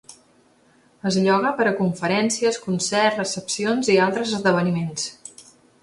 Es lloga per a conferències, concerts, recepcions i altres esdeveniments.